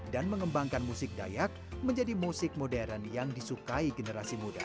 dan mengembangkan musik dayak menjadi musik modern yang disukai generasi muda